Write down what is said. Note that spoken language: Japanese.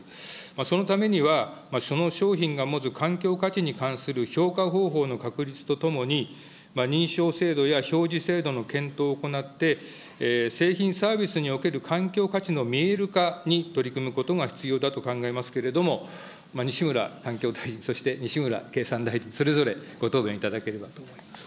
そのためには、その商品が持つ環境価値に関する評価方法の確立とともに、認証制度や表示制度の検討を行って、製品サービスにおける環境価値の見える化に取り組むことが必要だと考えますけれども、西村環境大臣、そして西村経産大臣、それぞれご答弁いただければと思います。